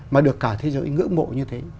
mà được cả thế giới ngưỡng mộ như thế